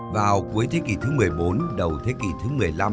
vào cuối thế kỷ thứ một mươi bốn đầu thế kỷ thứ một mươi năm